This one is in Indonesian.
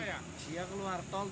dia keluar tol